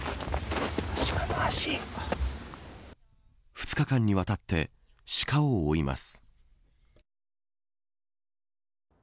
２日間にわたってシカを追います。